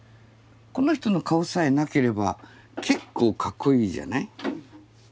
この人の顔さえなければ結構かっこいいじゃない。